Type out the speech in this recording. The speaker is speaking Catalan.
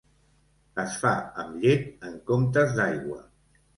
Es fa amb llet en comptes d'aigua.